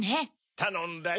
たのんだよ！